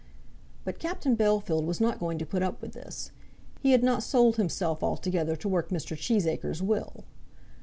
But Captain Bellfield was not going to put up with this. He had not sold himself altogether to work Mr. Cheesacre's will.